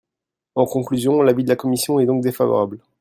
En conclusion, l’avis de la commission est donc défavorable.